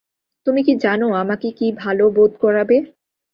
তুমি কি জানো আমাকে কী ভালো বোধ করাবে?